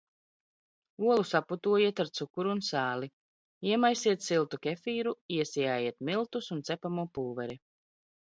Olu saputojiet ar cukuru un sāli, iemaisiet siltu kefīru, iesijājiet miltus un cepamo pulveri.